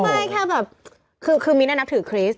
ไม่แค่แบบมิ้นท์อะนับถือคริสต์